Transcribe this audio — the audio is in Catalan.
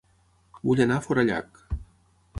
Vull anar a Forallac